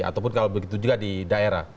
ataupun kalau begitu juga di daerah